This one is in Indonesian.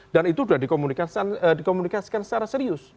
dan itu sudah dikomunikasikan secara serius